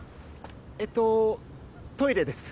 えっとトイレです。